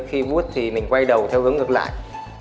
khi vút thì mình quay đầu theo hướng ngược lại